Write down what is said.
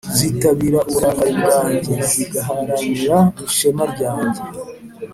zitabira uburakari bwanjye, zigaharanira ishema ryanjye.